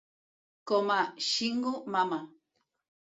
Com a "Shingo Mama"